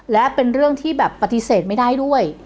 และเป็นเรื่องที่แบบปฏิเสธไม่ได้ด้วย